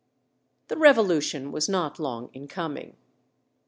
The revolution was not long in coming.